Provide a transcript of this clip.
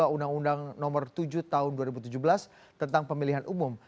undang undang nomor tujuh tahun dua ribu tujuh belas tentang pemilihan umum